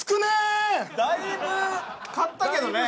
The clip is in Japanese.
だいぶ買ったけどね。